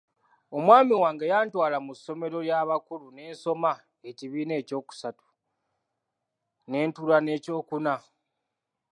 Omwami wange yantwala mu ssomero ly'abakulu ne nsoma ekibiina ekyokusatu ne ntuula n'ekyokuna.